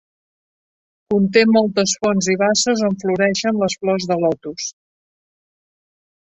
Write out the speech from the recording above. Conté moltes fonts i basses on floreixen les flors de lotus.